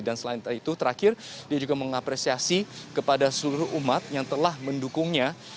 dan selain itu terakhir dia juga mengapresiasi kepada seluruh umat yang telah mendukungnya